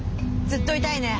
ずっといたいね。